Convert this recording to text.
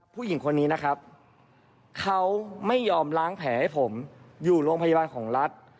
ผู้หญิงคนนี้นะครับเขาไม่ยอมล้างแผลให้ผมอยู่โรงพยาบาลของรัฐ